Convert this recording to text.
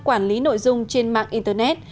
quản lý nội dung trên mạng internet